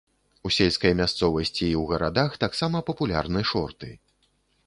У сельскай мясцовасці і ў гарадах таксама папулярны шорты.